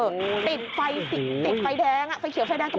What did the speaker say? ติดไฟติดไฟแดงอ่ะไฟเขียวไฟแดงตรงนี้อันนี้ก็น่ากลัว